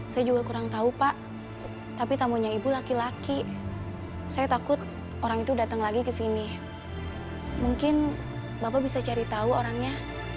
saya juga kurang tahu pak tapi tamunya ibu laki laki saya takut orang itu datang lagi ke sini mungkin bapak bisa cari tahu orangnya